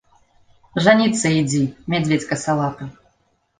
Жаніцца ідзі, мядзведзь касалапы.